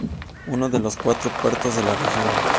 Uno de los cuatro puertos de la región.